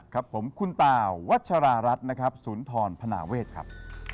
ครับผมคุณตาวัชรารัฐนะครับสุนทรพนาเวทครับ